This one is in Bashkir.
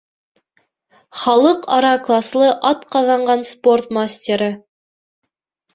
Халыҡ-ара класлы атҡаҙанған спорт мастеры